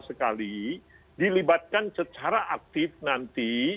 sekali dilibatkan secara aktif nanti